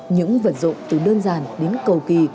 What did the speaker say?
những vận rộn từ đơn giản đến cầu kỳ